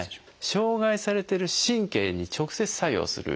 障害されてる神経に直接作用する。